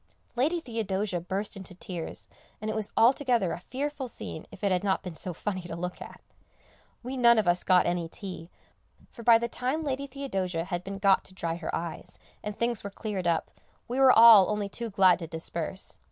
Lady Theodosia burst into tears, and it was altogether a fearful scene if it had not been so funny to look at. We none of us got any tea, for by the time Lady Theodosia had been got to dry her eyes, and things were cleared up, we were all only too glad to disperse.